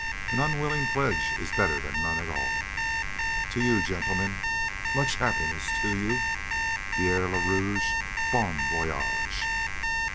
"An unwilling pledge is better than none at all. To you, gentlemen, much happiness; to you, Pierre le Rouge, bon voyage."